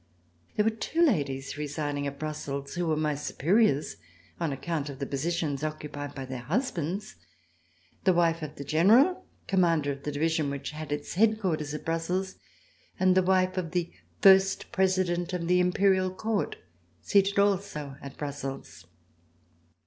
There were two ladies residing at Brussels who w^ere my superiors on account of the positions occupied by their hus bands: the wife of the General, Commander of the Division which had its headquarters at Brussels, and the wife of the First President of the Imperial Court seated also at Brussels.